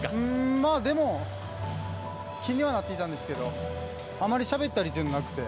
まあ、でも気にはなっていたんですけどあまりしゃべったりというのはなくて。